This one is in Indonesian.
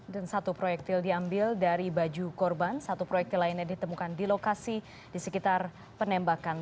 dan satu proyektil diambil dari baju korban satu proyektil lainnya ditemukan di lokasi di sekitar penembakan